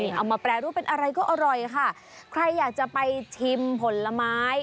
เอามาแปรรูปเป็นอะไรก็อร่อยค่ะใครอยากจะไปชิมผลไม้